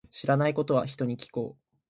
知らないことは、人に聞こう。